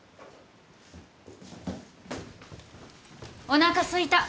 おなかすいた。